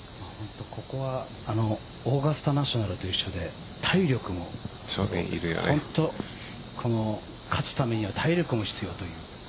ここはオーガスタナショナルと一緒で勝つためには体力も必要という。